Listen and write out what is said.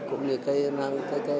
cũng như chất lượng